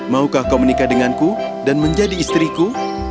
maukah kau menikah denganku dan menjadi istriku